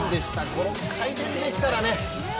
この回転、できたらね。